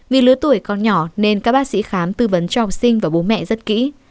vì lứa tuổi còn nhỏ nên các bác sĩ khám tư vấn cho học sinh và bố mẹ rất kỹ